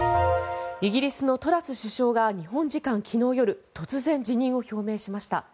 イギリスのトラス首相が日本時間昨日夜突然、辞任を表明しました。